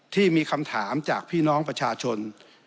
ที่มีคำถามจากพี่น้องประชาชน